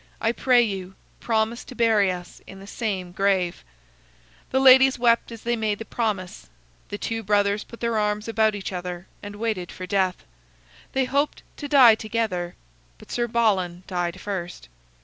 I pray you, promise to bury us in the same grave." The ladies wept as they made the promise. The two brothers put their arms about each other and waited for death. They hoped to die together, but Sir Balan died first.